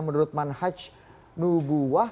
menurut man haj nubuwala